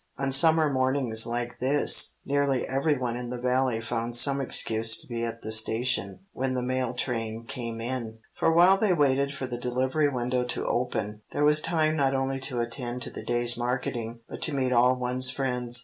On summer mornings like this nearly every one in the Valley found some excuse to be at the station when the mail train came in; for while they waited for the delivery window to open, there was time not only to attend to the day's marketing, but to meet all one's friends.